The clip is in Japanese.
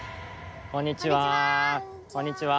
こんにちは。